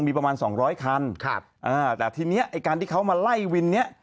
มีประมาณ๒๐๐คันแต่ทีนี้ไอ้การที่เขามาไล่วินเนี่ย